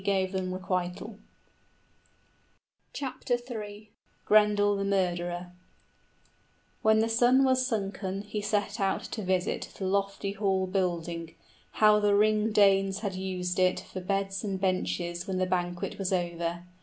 {Grendel attacks the sleeping heroes} When the sun was sunken, he set out to visit The lofty hall building, how the Ring Danes had used it For beds and benches when the banquet was over.